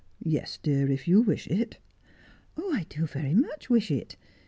' Yes, dear, if you wish it.' ' I do very much wish it.